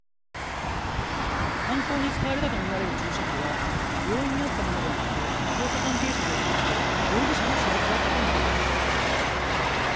犯行に使われたとみられる注射器は病院にあったものではなく捜査関係者によりますと容疑者の私物だったということです。